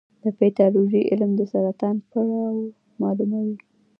د پیتالوژي علم د سرطان پړاو معلوموي.